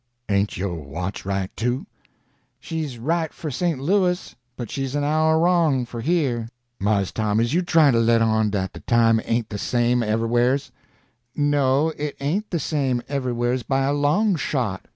"Ain't yo' watch right, too?" "She's right for St. Louis, but she's an hour wrong for here." "Mars Tom, is you tryin' to let on dat de time ain't de same everywheres?" "No, it ain't the same everywheres, by a long shot."